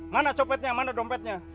mana copetnya mana dompetnya